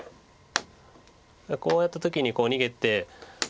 こうやった時に逃げて。